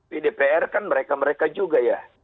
di dpr kan mereka mereka juga ya